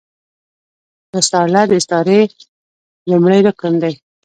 مستعارله د استعارې لومړی رکن دﺉ.